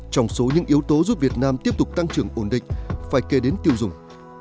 trong số những yếu tố giúp việt nam tiếp tục tăng trưởng ổn định phải kể đến tiêu dùng